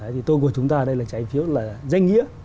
thì tôi của chúng ta đây là trái phiếu là danh nghĩa